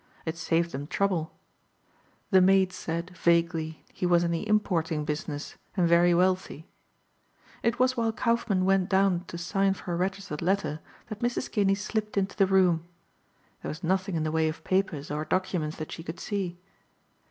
It saved them trouble. The maids said, vaguely, he was in the importing business and very wealthy. It was while Kaufmann went down to sign for a registered letter that Mrs. Kinney slipped into the room. There was nothing in the way of papers or documents that she could see.